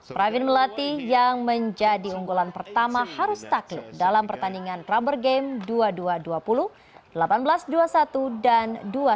pravin melati yang menjadi unggulan pertama harus takluk dalam pertandingan rubber game dua puluh dua dua puluh delapan belas dua puluh satu dan dua puluh satu